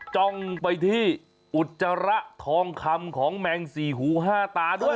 จ้องไปที่อุจจาระทองคำของแมงสี่หูห้าตาด้วย